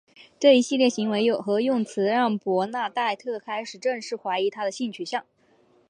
这一系列行为和用词让伯纳黛特开始正式怀疑他的性取向。